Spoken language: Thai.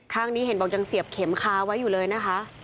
ข้างนี้เห็นบอกยังเสียบเข็มคาไว้อยู่เลยนะคะ